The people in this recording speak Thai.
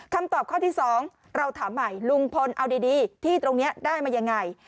คำตอบข้อที่๒เราถามใหม่ลุงพลเอาดีที่ตรงนี้ได้มายังไง